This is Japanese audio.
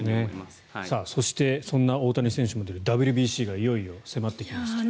そしてそんな大谷選手も出るＷＢＣがいよいよ迫ってきました。